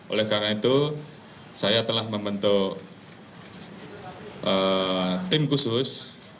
oleh karena itu saya telah membentuk tim khusus